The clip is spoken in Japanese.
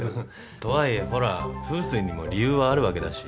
とはいえほら風水にも理由はあるわけだし。